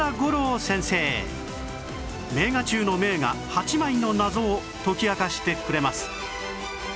名画中の名画８枚の謎を解き明かしてくれます